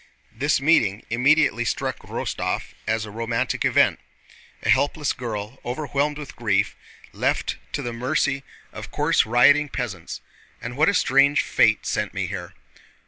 This meeting immediately struck Rostóv as a romantic event. "A helpless girl overwhelmed with grief, left to the mercy of coarse, rioting peasants! And what a strange fate sent me here!